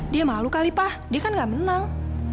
dia malu kali pak dia kan gak menang